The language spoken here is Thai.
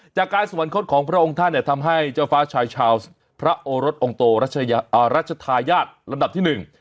จากการสวรรคตของพระองค์ท่านเนี่ยทำให้เจ้าฟ้าชายชาวพระโอรสองค์โตรัชธาญาติลำดับที่หนึ่ง